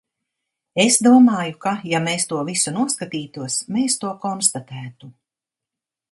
Es domāju, ka, ja mēs to visu noskatītos, mēs to konstatētu.